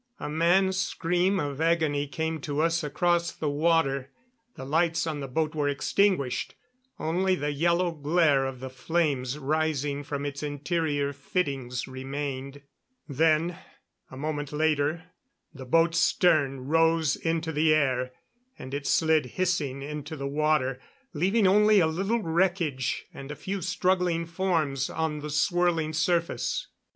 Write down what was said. A man's scream of agony came to us across the water. The lights on the boat were extinguished; only the yellow glare of the flames rising from its interior fittings remained. Then, a moment later, the boat's stern rose into the air, and it slid hissing into the water, leaving only a little wreckage and a few struggling forms on the swirling surface.